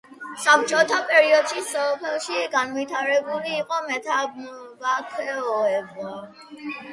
საბჭოთა პერიოდში სოფელში განვითარებული იყო მეთამბაქოეობა.